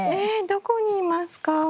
どこにいますか？